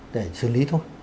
để xử lý thôi